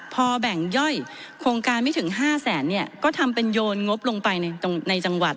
พอแบ่งย่อยโครงการไม่ถึง๕แสนเนี่ยก็ทำเป็นโยนงบลงไปในจังหวัด